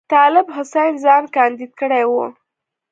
طالب حسین ځان کاندید کړی وو.